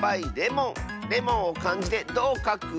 レモンをかんじでどうかく？